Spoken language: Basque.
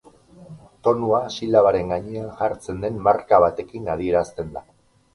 Tonua silabaren gainean jartzen den marka batekin adierazten da.